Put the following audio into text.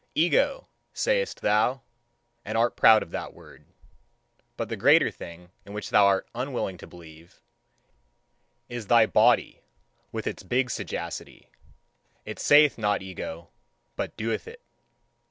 "Ego," sayest thou, and art proud of that word. But the greater thing in which thou art unwilling to believe is thy body with its big sagacity; it saith not "ego," but doeth it.